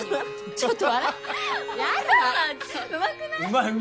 ちょっと。